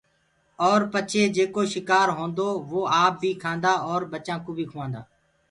اور پچي جيڪو شڪآر هوندو وو آپ بي کآندآ اور ٻچآنٚ ڪوُ بي کُوآندآ۔